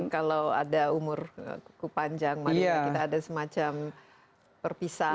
kalau ada umur panjang kita ada semacam perpisahan